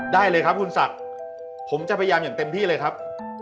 ได้เลยครับคุณศักดิ์ผมจะพยายามอย่างเต็มที่เลยครับ